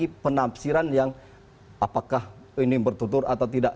ini tidak boleh terjadi lagi penafsiran yang apakah ini bertutur atau tidak